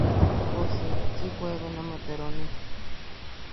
Poosi, si juebena jume peronim.